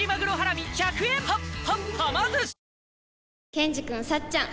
ケンジくんさっちゃん